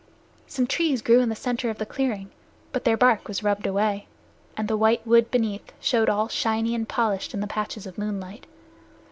Some trees grew in the center of the clearing, but their bark was rubbed away, and the white wood beneath showed all shiny and polished in the patches of moonlight.